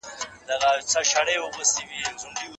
د سپوږمۍ په رڼا کي کیسې اورېدل خوندور وي.